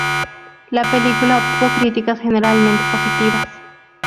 La película obtuvo críticas generalmente positivas.